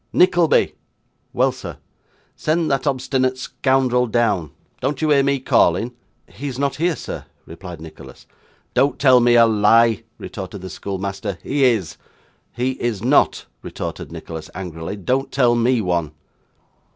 'Nickleby!' 'Well, sir.' 'Send that obstinate scoundrel down; don't you hear me calling?' 'He is not here, sir,' replied Nicholas. 'Don't tell me a lie,' retorted the schoolmaster. 'He is.' 'He is not,' retorted Nicholas angrily, 'don't tell me one.